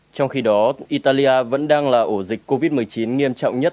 trong khi đó italia vẫn đang là ổ dịch covid một mươi chín nghiêm trọng nhất